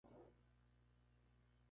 Estos se componen de material del disco.